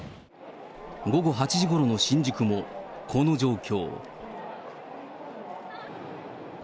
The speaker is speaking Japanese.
午後８時ごろの新宿もこの状況。